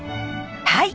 はい！